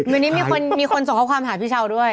วันนี้มีคนส่งข้อความหาพี่เช้าด้วย